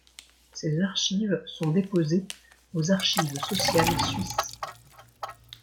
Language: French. Ses archives sont déposées aux Archives Sociales Suisses.